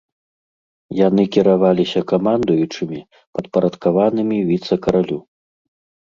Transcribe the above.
Яны кіраваліся камандуючымі, падпарадкаванымі віцэ-каралю.